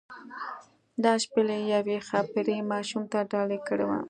دا شپیلۍ یوې ښاپیرۍ ماشوم ته ډالۍ کړې وه.